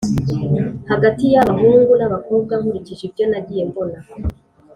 hagati y’abahungu n’abakobwa, nkurikije ibyo nagiye mbona